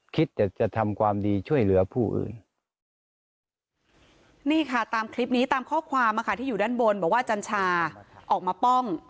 คิดจะทำความดีช่วยเหลือผู้อื่น